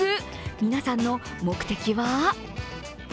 皆さんの目的は？